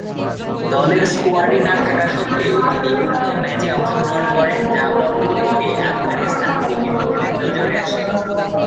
দলের স্কোয়াডে না থাকা সত্ত্বেও তিনি উক্ত ম্যাচে অংশগ্রহণ করেন; যা পরবর্তীতে আফগানিস্তান ক্রিকেট বোর্ডের নজরে আসে।